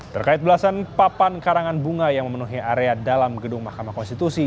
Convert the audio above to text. terkait belasan papan karangan bunga yang memenuhi area dalam gedung mahkamah konstitusi